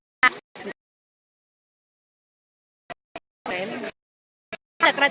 มีแต่โดนล้าลาน